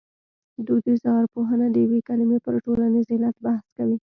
دودیزه ارپوهه د یوې کلمې پر ټولنیز علت بحث کوي